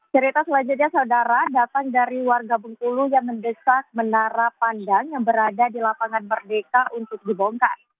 cerita selanjutnya saudara datang dari warga bengkulu yang mendesak menara pandang yang berada di lapangan merdeka untuk dibongkar